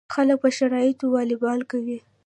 خلک په شرط والیبال کوي.